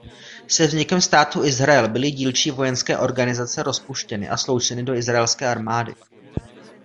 Se vznikem státu Izrael byly dílčí vojenské organizace rozpuštěny a sloučeny do izraelské armády.